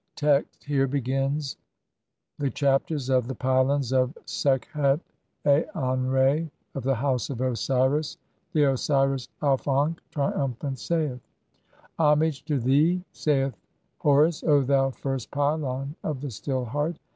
Text : [Here begin the Chapters of] the pylons of Sekhet Aanre of the House of Osiris, (i) The Osiris Auf ankh, triumphant, saith :— I. "Homage to thee, saith Horus, O thou first pylon of the "Still Heart.